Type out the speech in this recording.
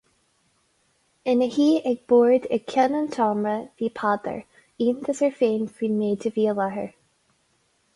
Ina shuí ag bord ag ceann an tseomra, bhí Peadar, iontas air féin faoin méid a bhí i láthair.